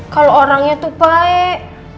kalau orangnya tuh baik